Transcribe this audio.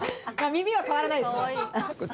耳は変わらないですか？